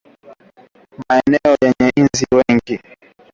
Maeneo yenye inzi wengi